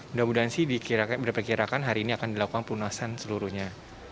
mudah mudahan sih diperkirakan hari ini akan dilakukan pelunasan seluruhnya